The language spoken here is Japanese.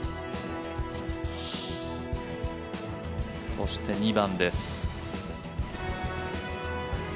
そして、２番です。